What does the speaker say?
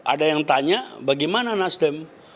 ada yang tanya bagaimana nasdem